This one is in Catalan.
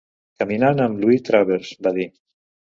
"Caminant amb Louie Travers", va dir.